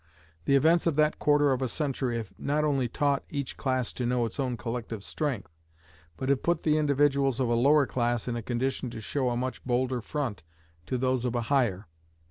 The events of that quarter of a century have not only taught each class to know its own collective strength, but have put the individuals of a lower class in a condition to show a much bolder front to those of a higher.